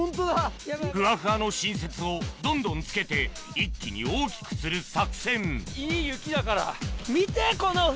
ふわふわの新雪をどんどん付けて一気に大きくする作戦いい雪だから。